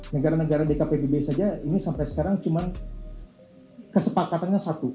negara negara bkpb saja ini sampai sekarang cuma kesepakatannya satu